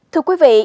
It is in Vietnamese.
thưa quý vị